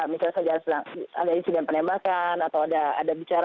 misalnya saja ada insiden penembakan atau ada bicara